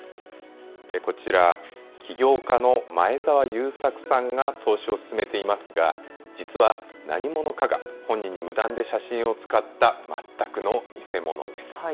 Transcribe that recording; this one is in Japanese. こちら、起業家の前澤友作さんが投資を勧めていますが実は何者かが本人に無断で写真を使った全くの偽物です。